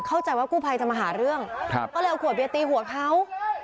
เข้าใจว่ากู้ภัยจะมาหาเรื่องก็เลยเอาขวดเบียตีหัวเขา